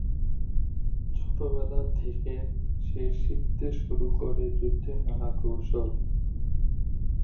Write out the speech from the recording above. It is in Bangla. ছোটবেলা থেকে সে শিখতে শুরু করে যুদ্ধের নানা কৌশল।